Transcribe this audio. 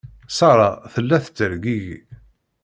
Sarah tella tettergigi.